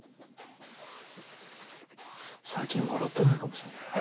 最近笑ってないかもしれない。